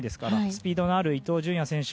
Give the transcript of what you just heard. スピードのある伊東純也選手。